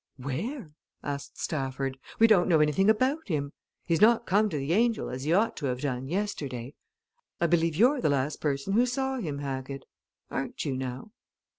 "Where?" asked Stafford. "We don't know anything about him. He's not come to the 'Angel,' as he ought to have done, yesterday. I believe you're the last person who saw him, Hackett. Aren't you, now?"